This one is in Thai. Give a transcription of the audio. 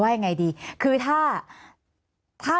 มีความรู้สึกว่าเสียใจ